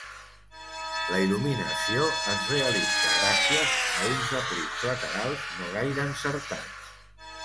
La il·luminació es realitza gràcies a uns aplics laterals no gaire encertats.